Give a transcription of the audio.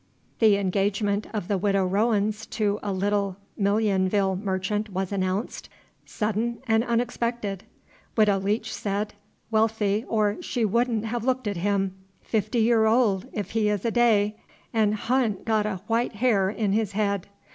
The engagement of the Widow Rowens to a Little Millionville merchant was announced, "Sudding 'n' onexpected," Widow Leech said, "waalthy, or she wouldn't ha' looked at him, fifty year old, if he is a day, 'n' hu'n't got a white hair in his head."